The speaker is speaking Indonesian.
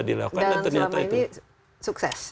dilakukan dan ternyata itu dalam selama ini sukses